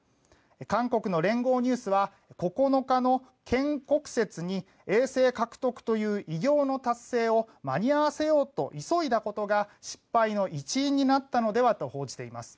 韓国の連合ニュースは９日の建国節に衛星獲得という偉業の達成を間に合わせようと急いだことが失敗の一因になったのではと報じています。